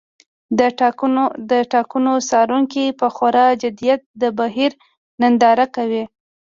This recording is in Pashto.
د ټاکنو څارونکي په خورا جدیت د بهیر ننداره کوي.